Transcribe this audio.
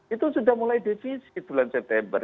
itu sudah mulai defisit bulan september